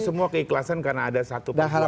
itu semua keikhlasan karena ada satu persoalan yang sama